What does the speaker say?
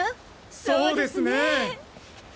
そうですね。